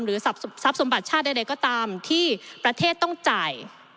ทรัพย์สมบัติชาติใดก็ตามที่ประเทศต้องจ่าย